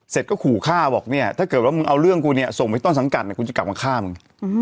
เสร็จก็ขู่ฆ่าบอกถ้าเกิดมึงเอาเรื่องกูเนี่ยส่งไว้ต้อนสังกัดคุณจะกลับมาฆ่ามึง